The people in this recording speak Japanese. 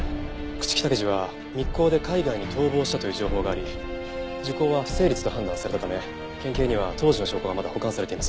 朽木武二は密航で海外に逃亡したという情報があり時効は不成立と判断されたため県警には当時の証拠がまだ保管されています。